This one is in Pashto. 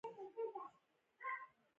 ادبپوهانو د منثور شعر په نامه هم یاد کړی.